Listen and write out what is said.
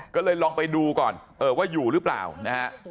ก็เลยลองไปดูก่อนว่าอยู่หรือเปล่านะฮะ